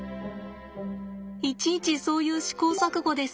いちいちそういう試行錯誤です。